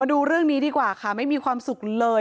ดูเรื่องนี้ดีกว่าค่ะไม่มีความสุขเลย